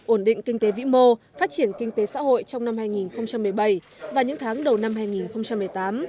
ổn định kinh tế vĩ mô phát triển kinh tế xã hội trong năm hai nghìn một mươi bảy và những tháng đầu năm hai nghìn một mươi tám